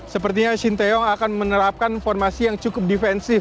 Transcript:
sepertinya shin taeyong akan menerapkan formasi yang cukup defensif